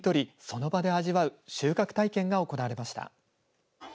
その場で味わう収穫体験が行われました。